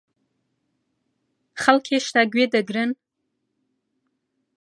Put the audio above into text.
خەڵک هێشتا گوێ دەگرن؟